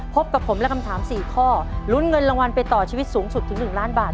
พบกับผมและคำถาม๔ข้อลุ้นเงินรางวัลไปต่อชีวิตสูงสุดถึง๑ล้านบาท